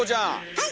はい！